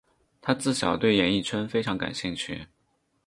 她自小对演艺圈非常感兴趣。